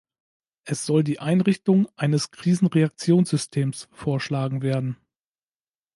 Es soll die Einrichtung eines Krisenreaktionssystems vorschlagen werden.